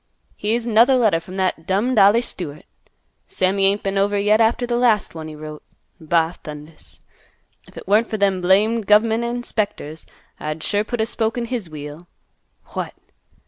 Here's 'nother letter from that dummed Ollie Stewart. Sammy ain't been over yet after th' last one he wrote. Ba thundas! If it weren't for them blamed gov' ment inspectors, I'd sure put a spoke in his wheel. What!